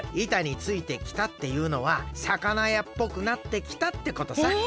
「板についてきた」っていうのはさかなやっぽくなってきたってことさ。